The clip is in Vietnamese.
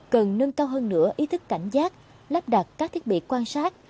cần nâng cao hơn nữa ý thức cảnh giác lắp đặt các thiết bị quan sát